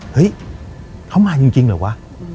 เฮ้ยเขามาจริงเหรอวะ